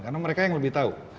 karena mereka yang lebih tahu